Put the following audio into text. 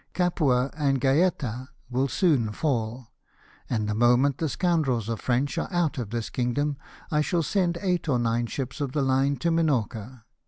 Capua and Gaeta will soon fall ; and the moment the scoundrels of French are out of this kingdom I shall send eight or nine ships of the line to Minorca.